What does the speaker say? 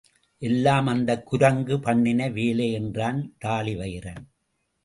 எல்லாம் அந்தக் குரங்கு பண்ணின வேலை என்றான் தாழிவயிறன்.